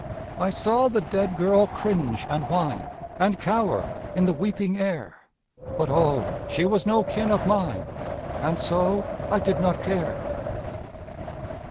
I saw the dead girl cringe and whine, And cower in the weeping air But, oh, she was no kin of mine, And so I did not care!